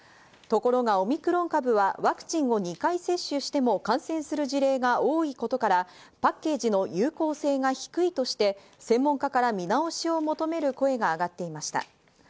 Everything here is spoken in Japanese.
ところがオミクロン株はワクチンを２回接種しても感染する事例が多いことからパッケージの有効性が低いとして、専門家から見直しを求める声が上がっていました。